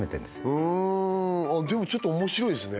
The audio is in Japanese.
うんでもちょっと面白いですね